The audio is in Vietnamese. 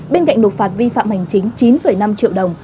bên cạnh nộp phạt vi phạm hành chính chín năm triệu đồng